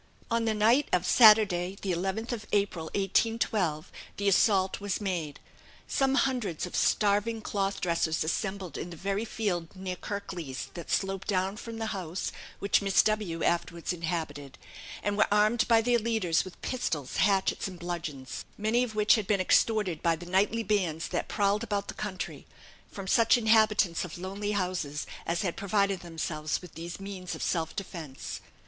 On the night of Saturday the 11th of April, 1812, the assault was made. Some hundreds of starving cloth dressers assembled in the very field near Kirklees that sloped down from the house which Miss W afterwards inhabited, and were armed by their leaders with pistols, hatchets, and bludgeons, many of which had been extorted by the nightly bands that prowled about the country, from such inhabitants of lonely houses as had provided themselves with these means of self defence.